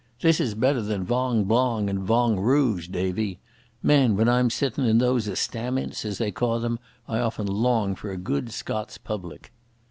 This is better than vongblong and vongrooge, Davie. Man, when I'm sittin' in those estamints, as they ca' them, I often long for a guid Scots public."